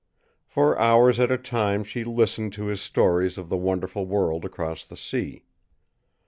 For hours at a time she listened to his stories of the wonderful world across the sea.